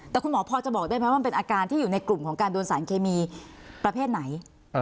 แต่คุณหมอพอจะบอกได้ไหมว่ามันเป็นอาการที่อยู่ในกลุ่มของการโดนสารเคมีประเภทไหน